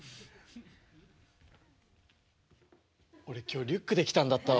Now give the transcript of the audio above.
俺今日リュックで来たんだったわ。